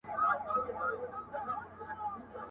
پاس یې کړکۍ ده پکښي دوې خړي هینداري ښکاري.